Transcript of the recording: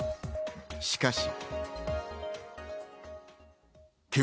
しかし。